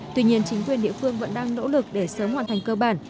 tuy nhiên chính quyền địa phương vẫn đang nỗ lực để sớm hoàn thành cơ bản